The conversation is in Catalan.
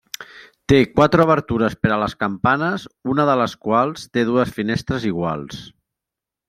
Té quatre obertures per a les campanes, una de les quals té dues finestres iguals.